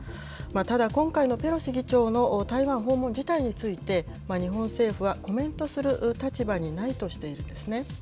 ただ、今回のペロシ議長の台湾訪問自体について、日本政府はコメントする立場にないとしているんですね。